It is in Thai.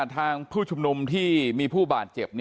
ผู้ชุมนุมที่มีผู้บาดเจ็บ